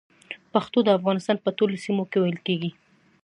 پښتو د افغانستان په ټولو سيمو کې ویل کېږي